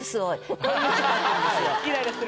イライラしてる。